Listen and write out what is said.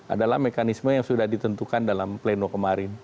adalah mekanisme yang sudah ditentukan dalam pleno kemarin